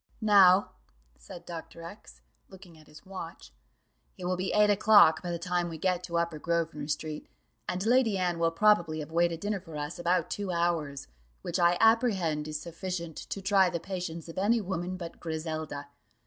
"Now," said Dr. X , looking at his watch, "it will be eight o'clock by the time we get to Upper Grosvenor street, and Lady Anne will probably have waited dinner for us about two hours, which I apprehend is sufficient to try the patience of any woman but Griselda.